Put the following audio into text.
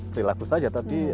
perilaku saja tapi